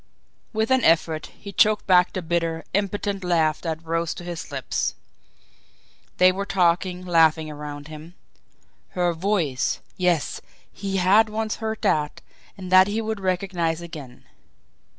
With an effort, he choked back the bitter, impotent laugh that rose to his lips. They were talking, laughing around him. Her VOICE yes, he had once heard that, and that he would recognise again.